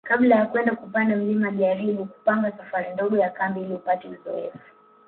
Kabla ya kwenda kupanda mlima jaribu kupanga safari ndogo ya kambi ili upate uzoefu